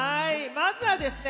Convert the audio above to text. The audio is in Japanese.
まずはですね